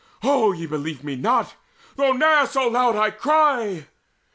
Oh, ye believe not me, though ne'er so loud I cry!